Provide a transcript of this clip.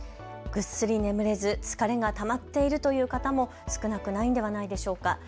ぐっすり眠れず、疲れがたまっているという方も少なくないんではないでしょうか。